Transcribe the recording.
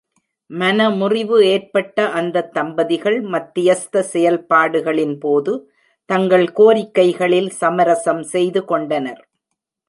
மனமுறிவு ஏற்பட்ட அந்தத் தம்பதிகள், மத்தியஸ்த செயல்பாட்டுகளின்போது தங்கள் கோரிக்கைகளில் சமரசம் செய்துகொண்டனர்.